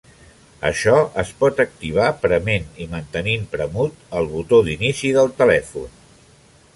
Això es pot activar prement i mantenint premut el botó d'inici del telèfon.